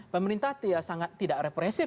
pemerintah tidak sangat represif